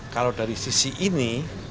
kalau dari sisi ini